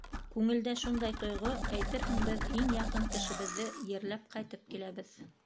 Күңелдә шундай тойғо: әйтерһең, беҙ иң яҡын кешебеҙҙе ерләп ҡайтып киләбеҙ.